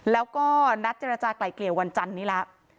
แล้วก็นัดเจรจากลายเกลี่ยวันจันนี้แล้ว